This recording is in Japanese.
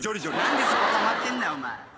何でそこはまってんだよお前。